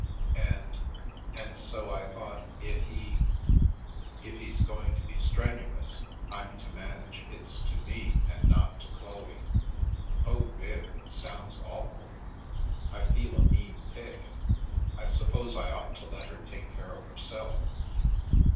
rnn I The Milky Way u And — and so, I thought, if he "" If he's going to be strenuous, I'm to manage it's to me and not to Chloe? " *Oh, Viv, it sounds awful! I fed a mean pig. I suppose I ought to let her take care of herself.